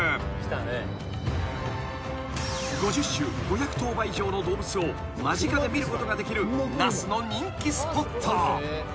［５０種５００頭羽以上の動物を間近で見ることができる那須の人気スポット］